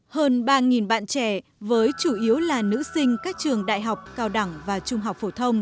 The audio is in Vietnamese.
hơn ba bạn trẻ với chủ yếu là nữ sinh các trường đại học cao đẳng và trung học phổ thông